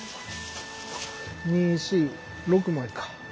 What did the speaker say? ２４６枚か。